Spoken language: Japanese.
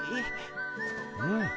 うん。